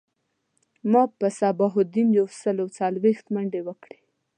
ما په صباح الدین یو سل او څلویښت منډی وکړی